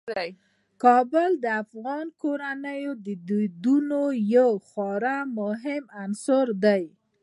کابل د افغان کورنیو د دودونو یو خورا مهم عنصر دی.